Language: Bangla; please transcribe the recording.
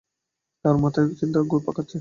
তখন মাথায় অন্য চিন্তা ঘুরপাক খাচ্ছে।